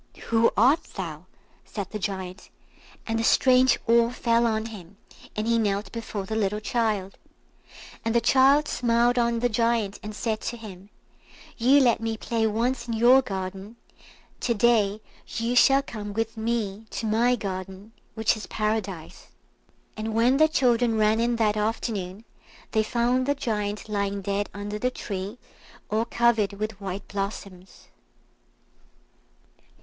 "Who art thou?" said the Giant, and a strange awe fell on him, and he knelt before the little child. And the child smiled on the Giant, and said to him, "You let me play once in your garden, to day you shall come with me to my garden, which is Paradise." And when the children ran in that afternoon, they found the Giant lying dead under the tree, all covered with white blossoms.